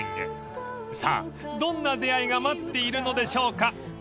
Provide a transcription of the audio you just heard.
［さあどんな出会いが待っているのでしょうか］